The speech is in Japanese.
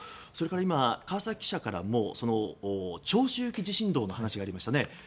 今、川崎記者からも長周期地震動の話がありました。